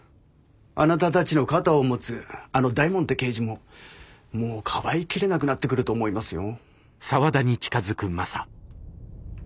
あなたたちの肩を持つあの大門って刑事ももうかばいきれなくなってくると思いますよ。